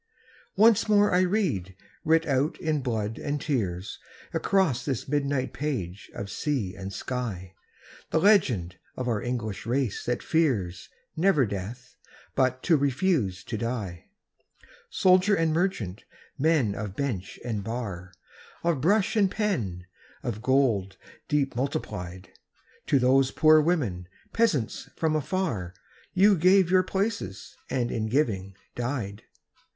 Once more I read, writ out in blood and tears, Across this midnight page of sea and sky, The legend of our English race that fears, never death, but to refuse to die ! Soldier and merchant, men of bench and bar. Of brush and pen, of gold deep multiplied, To those poor women, peasants from afar. You gave your places, and in giving died